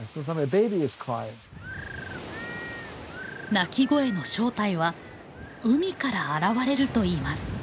鳴き声の正体は海から現れるといいます。